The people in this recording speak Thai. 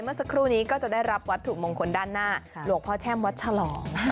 เมื่อสักครู่นี้ก็จะได้รับวัตถุมงคลด้านหน้าหลวงพ่อแช่มวัดฉลอง